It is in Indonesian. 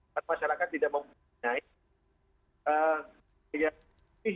karena masyarakat tidak mau memilih